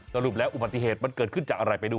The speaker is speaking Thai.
สรุปแล้วอุบัติเหตุมันเกิดขึ้นจากอะไรไปดู